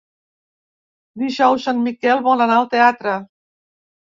Dijous en Miquel vol anar al teatre.